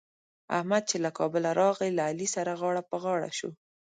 احمد چې له کابله راغی؛ له علي سره غاړه په غاړه شو.